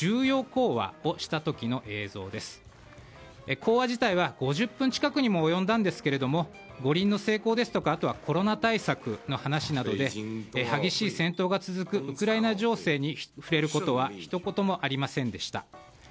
講話自体は５０分近くにも及んだんですけれども五輪の成功ですとかコロナ対策の話などで激しい戦闘が続くウクライナ情勢に触れることはひと言もありませんでした。